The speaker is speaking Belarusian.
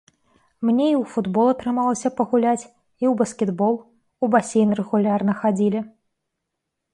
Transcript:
Мне і ў футбол атрымалася пагуляць, і ў баскетбол, у басейн рэгулярна хадзілі.